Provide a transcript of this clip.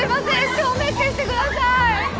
照明消してください。